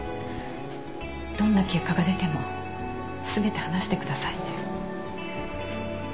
どんな結果が出ても全て話してくださいね。